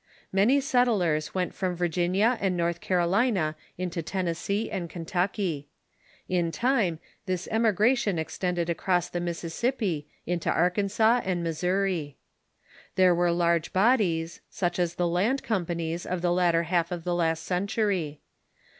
Many settlers went from Virginia and North Caro lina into Tennessee and Kentucky. In time this emigration extended across the Mississippi into Arkansas and JNIissouri. There were large bodies, such as the land companies of the latter half of the last century.